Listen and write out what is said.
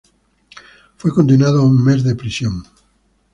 Fue condenado a un mes de prisión.